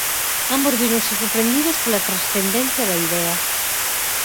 Ambos víronse sorprendidos pola transcendencia da idea.